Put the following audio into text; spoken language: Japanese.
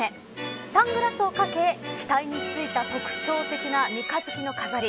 サングラスをかけ額についた特徴的な三日月の飾り。